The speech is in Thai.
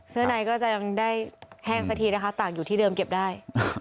ในก็จะยังได้แห้งสักทีนะคะตากอยู่ที่เดิมเก็บได้